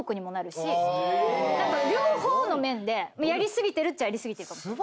両方の面でやり過ぎてるっちゃやり過ぎてるかも。